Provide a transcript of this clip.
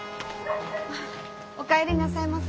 おかえりなさいませ。